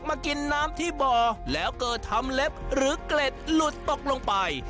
มากินน้ำที่บ่อแล้วเกิดทำเล็บหรือเกล็ดหลุดตกลงไป